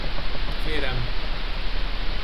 Kérem!